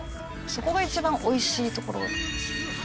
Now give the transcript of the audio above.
そこが一番おいしいところ。